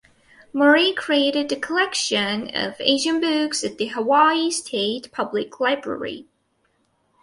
Mori created an collection of Asian books at the Hawaii State Public Library.